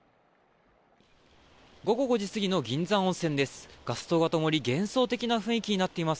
午後５時過ぎの銀山温泉です。